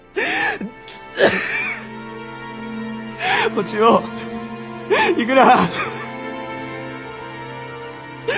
お千代逝くな。